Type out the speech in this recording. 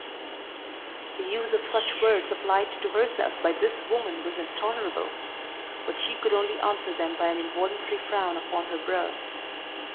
The use of such words applied to herself by this woman was intolerable. But she could only answer them by an involuntary frown upon her brow.